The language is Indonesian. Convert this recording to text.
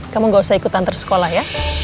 kamu gak usah ikut antar sekolah ya